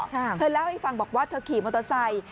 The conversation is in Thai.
เธอเล่าให้ฟังบอกว่าเธอขี่มอเตอร์ไซค์